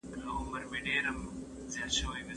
زه اجازه لرم چي ليکنه وکړم.